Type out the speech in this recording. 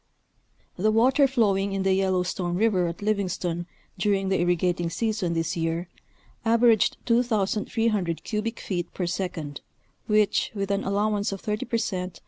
The water flowing in the Yellowstone River at Livingstone during the irrigating season this year averaged 2,300 cubic feet per second, which, with an allowance of thirty per cent.